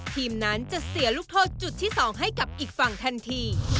ทีมนั้นจะเสียลูกโทษจุดที่๒ให้กับอีกฝั่งทันที